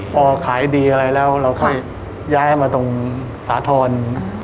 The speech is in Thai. พอขายดีอะไรแล้วค่ะแล้วค่อยย้ายให้มาตรงสาธรณ์อืม